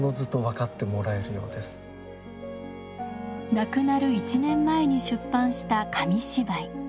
亡くなる１年前に出版した紙芝居。